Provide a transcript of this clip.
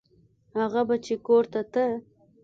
هغه به چې کور ته ته.